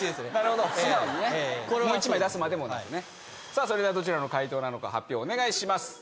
さあそれではどちらの回答なのか発表お願いします。